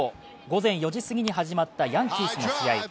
午前４時すぎに始まったヤンキースの試合。